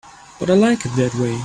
But I like it that way.